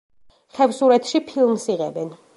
ხევსურეთში ფილმს იღებენ.